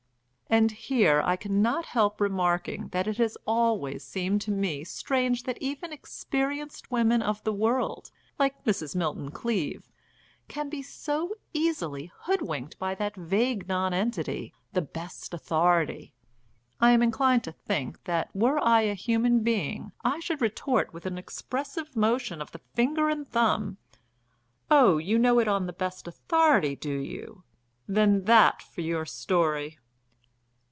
And here I cannot help remarking that it has always seemed to me strange that even experienced women of the world, like Mrs. Milton Cleave, can be so easily hoodwinked by that vague nonentity, 'The Best Authority.' I am inclined to think that were I a human being I should retort with an expressive motion of the finger and thumb, "Oh, you know it on the best authority, do you? Then that for your story!"